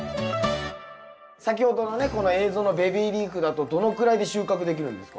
先ほどのねこの映像のベビーリーフだとどのくらいで収穫できるんですか？